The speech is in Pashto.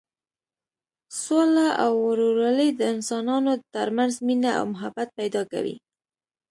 سوله او ورورولي د انسانانو تر منځ مینه او محبت پیدا کوي.